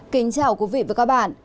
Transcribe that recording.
kính chào quý vị và các bạn